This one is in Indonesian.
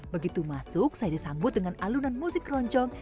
begitu masuk saya disambut dengan alunan musik keroncong